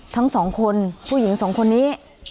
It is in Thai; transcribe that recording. ทั้งสองคนผู้หญิงสองคนนี้